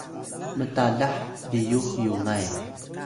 mtalah biyux yungay